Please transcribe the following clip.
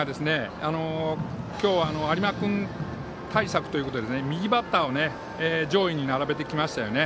今日、有馬君対策ということで右バッターを上位に並べてきましたよね。